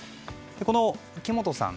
この木本さん。